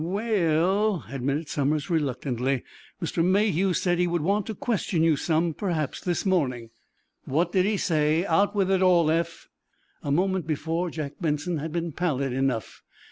"We e ll," admitted Somers, reluctantly, "Mr. Mayhew said he would want to question you some, perhaps, this morning." "What did he say? Out with it all, Eph!" A moment before Jack Benson had been pallid enough.